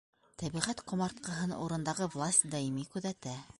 — Тәбиғәт ҡомартҡыһын урындағы власть даими күҙәтә.